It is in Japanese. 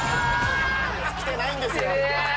きてないんですよ。